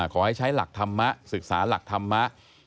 ขอให้ใช้หลักธรรมะศึกษาหลักธรรมะ